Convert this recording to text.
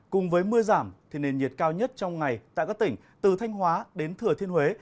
cùng với mưa giảm thì nền nhiệt cao nhất trong ngày tại các tỉnh từ thanh hóa đến thừa thiên huế